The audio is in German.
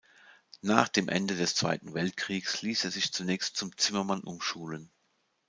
Nach dem Ende des Zweiten Weltkriegs ließ er sich zunächst zum Zimmermann umschulen.